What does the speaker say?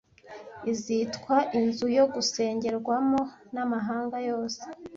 izitwa inzu yo gusengerwamo n amahanga yose